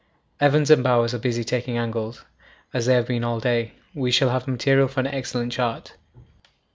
Evans and Bowers are busy taking angles; as they have been all day, we shall have material for an excellent chart.